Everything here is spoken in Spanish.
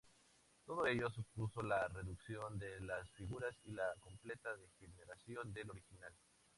Todo ello supuso la "reducción de las figuras y la completa degeneración del original".